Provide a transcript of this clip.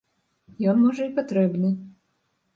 Ён, можа, і патрэбны.